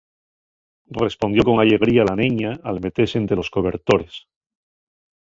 Respondió con allegría la neña al metese ente los cobertores.